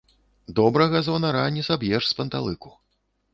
Добрага званара не саб'еш з панталыку.